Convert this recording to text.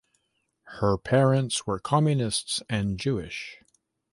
Her parents were communists and Jewish.